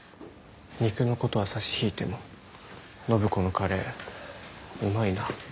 肉のことは差し引いても暢子のカレーうまいな。